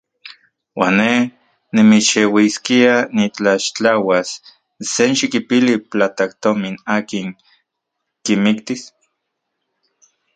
¿Uan ne nimixeuiskia nitlaxtlauas senxikipili platajtomin akin kimiktis?